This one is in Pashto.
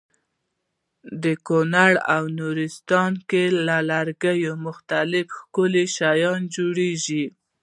په کونړ او نورستان کې له لرګي مختلف ښکلي شیان جوړوي.